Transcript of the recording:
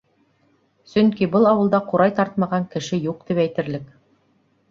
Сөнки был ауылда ҡурай тартмаған кеше юҡ тип әйтерлек.